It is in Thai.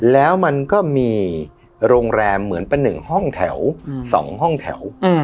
แล้วมันก็มีโรงแรมเหมือนเป็น๑ห้องแถว๒ห้องแถว